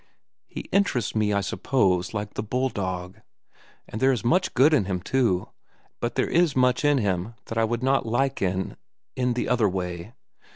"He interests me, I suppose, like the bulldog. And there is much good in him, too; but there is much in him that I would not like in—in the other way.